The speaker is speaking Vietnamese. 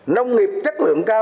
nông nghiệp chất lượng cao